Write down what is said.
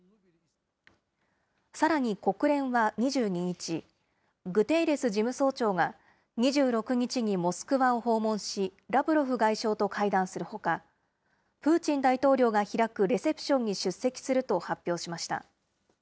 さらに国連は２２日、グテーレス事務総長が２６日にモスクワを訪問し、ラブロフ外相と会談するほか、プーチン大統領が開くレセプションに出席すると発表しました。